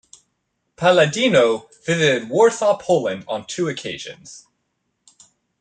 Palladino visited Warsaw, Poland, on two occasions.